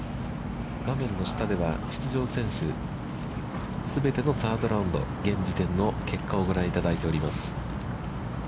画面の下では、出場選手、全てのサードラウンド、現時点の結果をご覧いただいています。